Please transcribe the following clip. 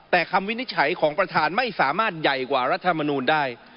แต่คำวินิจฉัยของประธานไม่สามารถใหญ่กว่ารัฐมนูลได้